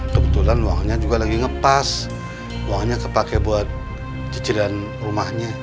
kebetulan uangnya juga lagi ngepas uangnya kepake buat cicilan rumahnya